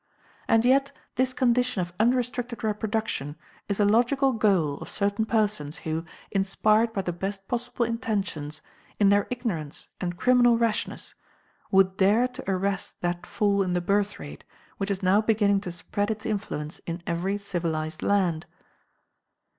And yet this condition of unrestricted reproduction is the logical goal of certain persons who, inspired by the best possible intentions, in their ignorance and criminal rashness would dare to arrest that fall in the birth rate which is now beginning to spread its influence in every civilized land.